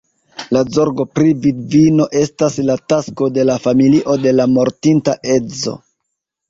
La zorgo pri vidvino estis la tasko de la familio de la mortinta edzo.